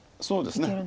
そうですね。